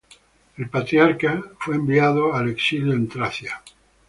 El patriarca fue enviado al exilio en Tracia.